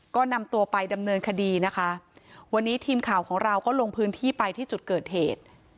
ก็นำตัวไปดำเนินคดีนะคะวันนี้ทีมข่าวของเราก็ลงพื้นที่ไปที่จุดเกิดเหตุ